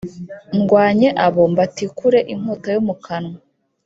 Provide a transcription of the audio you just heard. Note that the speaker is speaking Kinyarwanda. ndwanye abo mbatikure inkota yo mu kanwa